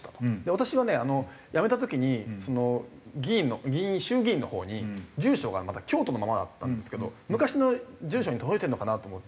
私はね辞めた時に議員の衆議院のほうに住所がまだ京都のままだったんですけど昔の住所に届いてるのかなと思って。